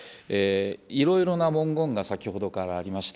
いろいろな文言が先ほどからありました。